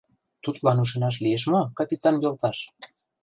Тудлан ӱшанаш лиеш мо, капитан йолташ?